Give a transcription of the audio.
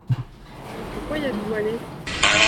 Pourquoi y êtes-vous allé ?